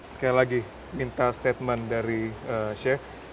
sekali lagi minta statement dari sheikh